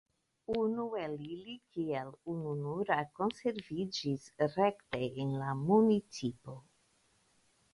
Unu el ili kiel ununura konserviĝis rekte en la municipo.